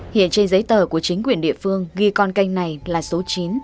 hiện trên giấy tờ của chính quyền địa phương ghi con canh này là số chín